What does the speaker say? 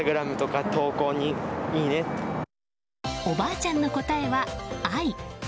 おばあちゃんの答えは愛。